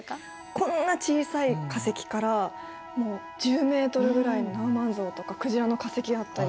こんな小さい化石からもう１０ｍぐらいのナウマンゾウとかクジラの化石だったり。